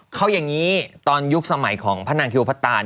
เขาอย่างนี้ตอนยุคสมัยของพระนางคิวพระตาน